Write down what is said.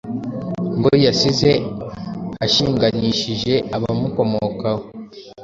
ngo yasize ashinganishije abamukomokaho